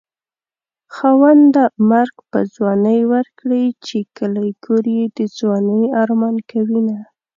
خاونده مرګ په ځوانۍ ورکړې چې کلی کور يې د ځوانۍ ارمان کوينه